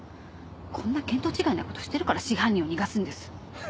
こんな見当違いなことしてるから真犯人を逃がすんです。